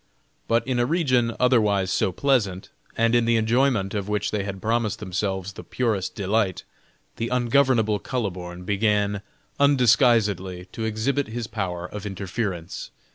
But in a region otherwise so pleasant, and in the enjoyment of which they had promised themselves the purest delight, the ungovernable Kuhleborn began, undisguisedly, to exhibit his power of interference.